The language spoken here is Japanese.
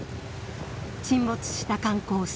沈没した観光船